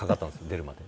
出るまで。